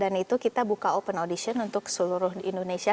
dan itu kita buka open audition untuk seluruh indonesia